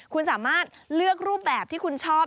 คุณสามารถเลือกรูปแบบที่คุณชอบ